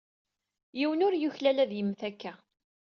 Yiwen ur yuklal ad yemmet akka.